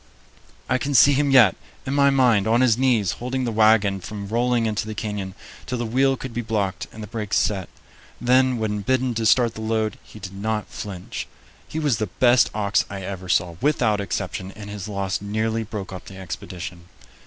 I can see him yet, in my mind, on his knees, holding the wagon from rolling into the canyon till the wheel could be blocked and the brakes set. Then, when bidden to start the load, he did not flinch. He was the best ox I ever saw, without exception, and his loss nearly broke up the expedition.